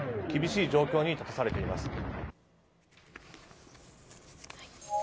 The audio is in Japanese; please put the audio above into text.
厳しい状況に立たされています。